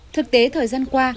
thực tế thời gian qua